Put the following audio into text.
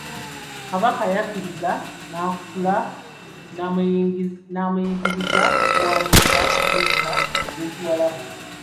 Kabaka yakkiriza Nakatukula n'amuyigiriza okuwandiika mu nnukuta ez'Ekiwarabu.